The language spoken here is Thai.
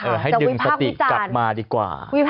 เออให้ดึงสติกลับมาดีกว่าแต่วิภาพวิจารณ์